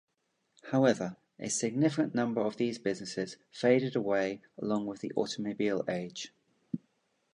However, a significant number of these businesses faded away along with the automobile age.